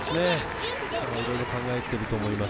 いろいろ考えていると思います。